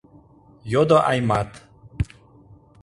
— йодо Аймат.